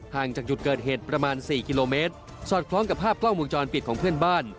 จากจุดเกิดเหตุประมาณ๔กิโลเมตรสอดคล้องกับภาพกล้องวงจรปิดของเพื่อนบ้าน